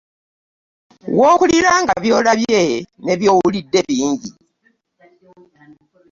Waakulira nga by'alabye ne byawulidde bingi.